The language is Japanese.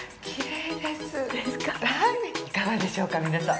いかがでしょうか皆さん。